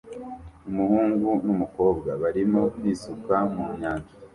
Umuhungu n'umukobwa barimo kwisuka mu nyanja